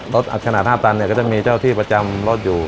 ขนาด๕ตันเนี่ยก็จะมีเจ้าที่ประจำรถอยู่